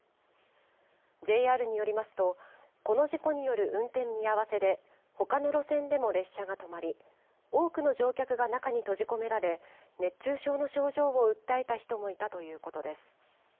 ＪＲによりますと、この事故による運転見合わせで、ほかの路線でも列車が止まり、多くの乗客が中に閉じ込められ、熱中症の症状を訴えた人もいたということです。